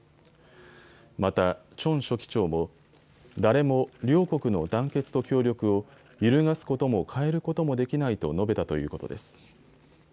またチョン書記長も誰も両国の団結と協力を揺るがすことも変えることもできないと述べたということです。